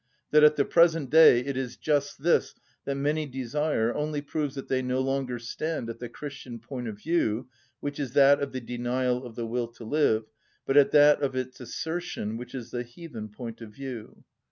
That at the present day it is just this that many desire only proves that they no longer stand at the Christian point of view, which is that of the denial of the will to live, but at that of its assertion, which is the heathen point of view.